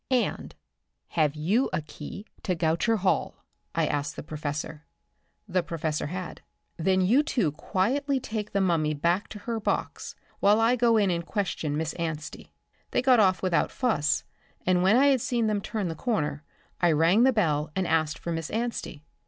"And have you a key to Goucher Hall?" I asked the professor. The professor had. "Then you two quietly take the mummy back to her box while I go in and question Miss Anstey." They got off without fuss, and when I had seen them turn the corner I rang the bell and asked for Miss Anstey.